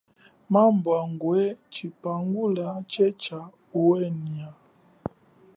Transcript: Maabwa ngwe chipangula che cha uhenya.